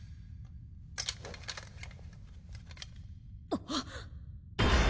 あっ！